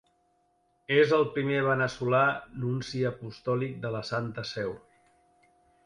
És el primer veneçolà nunci apostòlic de la Santa Seu.